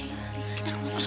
kita ke rumah